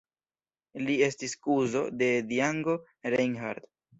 Li estis kuzo de Django Reinhardt.